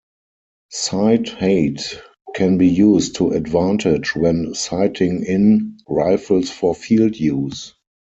Sight height can be used to advantage when "sighting-in" rifles for field use.